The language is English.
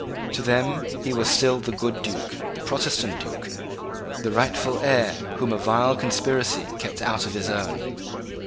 To them he was still the good Duke, the Protestant Duke, the rightful heir whom a vile conspiracy kept out of his own.